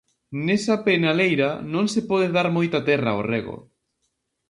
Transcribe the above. Nesa penaleira non se pode dar moita terra ao rego.